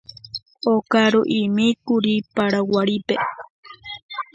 Okaruʼimíkuri Paraguarípe.